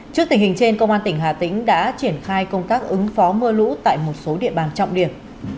trước tình hình trên công an tỉnh hà tĩnh đã triển khai công tác ứng phó mưa lũ tại một số địa bàn trọng điểm